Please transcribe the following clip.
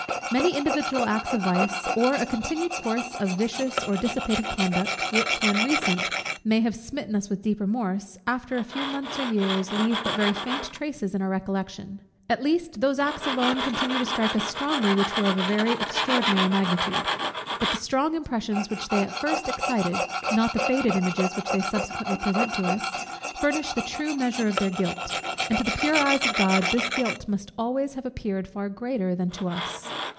Many individual acts of vice, or a continued course of vicious or dissipated conduct, which, when recent, may have smitten us with deep remorse, after a few months or years leave but very faint traces in our recollection; at least, those acts alone continue to strike us strongly, which were of very extraordinary magnitude. But the strong impressions which they at first excited, not the faded images which they subsequently present to us, furnish the true measure of their guilt: and to the pure eyes of God, this guilt must always have appeared far greater than to us.